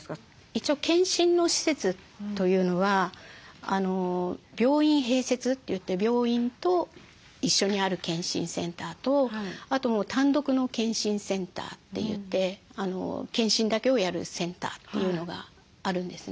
一応健診の施設というのは病院併設といって病院と一緒にある健診センターとあと単独の健診センターといって健診だけをやるセンターというのがあるんですね。